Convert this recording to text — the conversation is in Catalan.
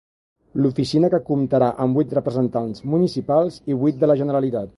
L'oficina comptarà amb vuit representants municipals i vuit de la Generalitat.